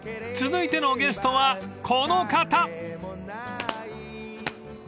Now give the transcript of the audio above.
［続いてのゲストはこの方！］